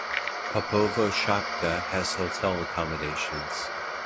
Popova Shapka has hotel accommodation.